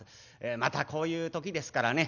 またこういう時ですからね。